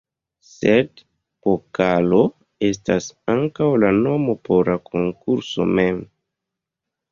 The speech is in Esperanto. Sed "pokalo" estas ankaŭ la nomo por la konkurso mem.